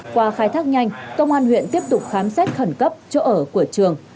qua khai thác nhanh công an huyện tiếp tục khám xét khẩn cấp chỗ ở của trường